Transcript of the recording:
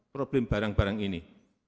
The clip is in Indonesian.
problem barang barang ini